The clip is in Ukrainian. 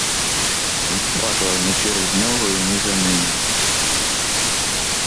Вона плакала не через нього й не за ним.